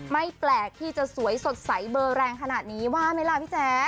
ไม่แปลกที่จะสวยสดใสเบอร์แรงขนาดนี้ว่าไหมล่ะพี่แจ๊ค